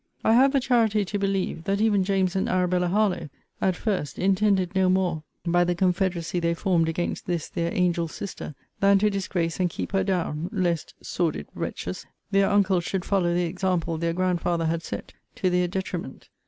I have the charity to believe, that even James and Arabella Harlowe, at first, intended no more by the confederacy they formed against this their angel sister, than to disgrace and keep her down, lest (sordid wretches!) their uncles should follow the example their grandfather had set, to their detriment.